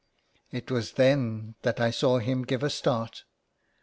It was then that I saw him give a start.